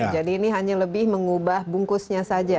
jadi ini hanya lebih mengubah bungkusnya saja